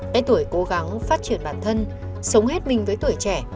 cái tuổi cố gắng phát triển bản thân sống hết mình với tuổi trẻ